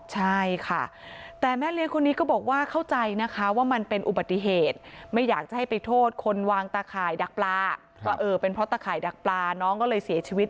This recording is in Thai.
หรือเป็นเพราะตะไข่ดักปลาน้องก็เลยเสียชีวิต